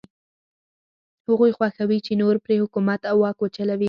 هغوی خوښوي چې نور پرې حکومت او واک وچلوي.